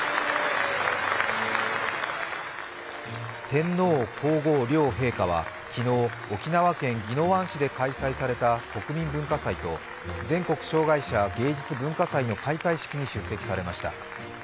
天皇皇后両陛下は昨日、沖縄県宜野湾市で開催された国民文化祭と全国障害者芸術・文化祭の開会式に出席されました。